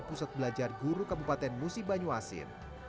pusat belajar guru kabupaten musi banyuasin